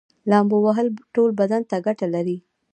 لامبو وهل ټول بدن ته ګټه لري